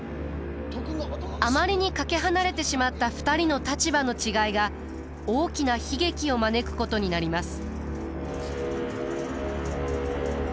あまりにかけ離れてしまった２人の立場の違いが大きな悲劇を招くことになります。